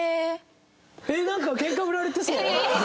えっなんか喧嘩売られてそう。